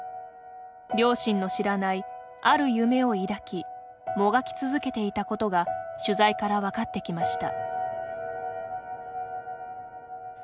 両親の知らないある夢を抱きもがき続けていたことが取材から分かってきました。